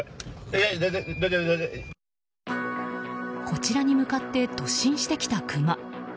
こちらに向かって突進してきたクマ。